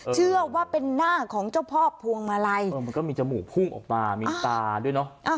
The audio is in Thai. เชื่อว่าเป็นหน้าของเจ้าพ่อพวงมาลัยมันก็มีจมูกพุ่งออกมามีตาด้วยเนอะ